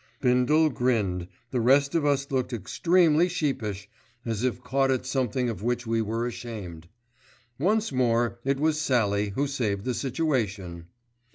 Bindle grinned, the rest of us looked extremely sheepish, as if caught at something of which we were ashamed. Once more it was Sallie who saved the situation.